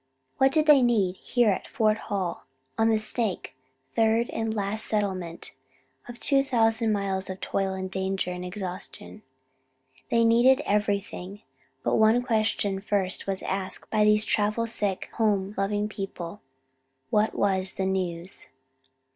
What did they need, here at Fort Hall, on the Snake, third and last settlement of the two thousand miles of toil and danger and exhaustion? They needed everything. But one question first was asked by these travel sick home loving people: What was the news?